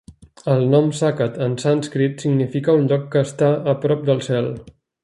El nom Saket en sànscrit significa un lloc que està a prop del cel.